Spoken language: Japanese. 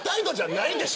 ないでしょ